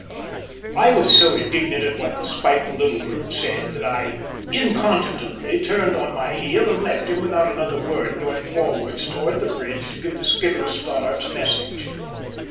I was so indignant at what the spiteful little brute said that I incontinently turned on my heel and left him without another word, going forwards towards the bridge to give the skipper Stoddart's message.